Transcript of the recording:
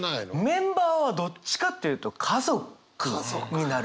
メンバーはどっちかっていうと家族になるかな。